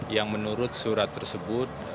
yang menurut surat tersebut